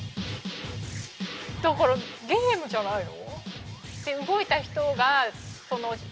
だからゲームじゃないの？